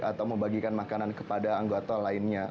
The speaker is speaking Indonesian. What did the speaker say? atau membagikan makanan kepada anggota lainnya